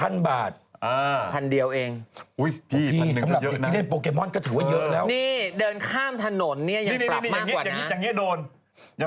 นี่อย่างเงียบอย่างเงียบโดน